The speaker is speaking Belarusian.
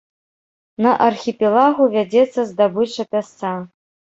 На архіпелагу вядзецца здабыча пясца.